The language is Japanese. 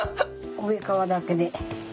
上側だけで。